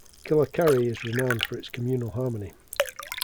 Kilakarai is renowned for its communal harmony.